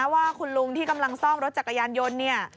ว่าคุณลุงที่กำลังซ่อมรถจักรยานยนต์เนี่ย